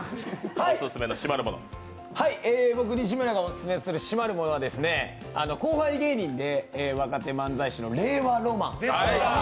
僕、西村がおすすめする締まるものは後輩芸人で若手漫才師の令和ロマン。